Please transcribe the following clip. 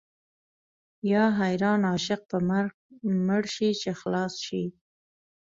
یا حیران عاشق په مرګ مړ شي چې خلاص شي.